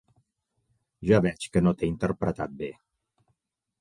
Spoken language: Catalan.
Ja veig que no t'he interpretat bé!